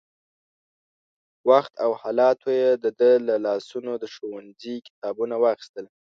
وخت او حالاتو يې د ده له لاسونو د ښوونځي کتابونه واخيستل.